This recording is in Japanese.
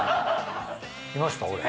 いました？